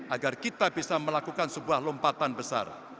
agar kita bisa melakukan sebuah lompatan besar